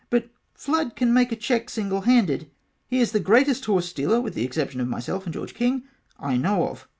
But Flood can make a cheque single handed he is the greatest horsestealer with the exception of myself and George King I know of.